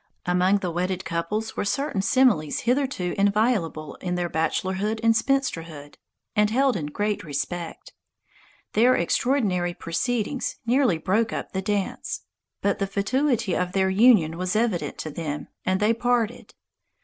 Among the wedded couples were certain similes hitherto inviolable in their bachelorhood and spinsterhood, and held in great respect. Their extraordinary proceedings nearly broke up the dance. But the fatuity of their union was evident to them, and they parted.